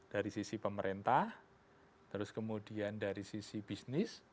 dari sisi pemerintah terus kemudian dari sisi bisnis